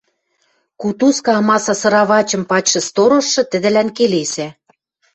Кутузка амаса сыравачым пачшы сторожшы тӹдӹлӓн келесӓ: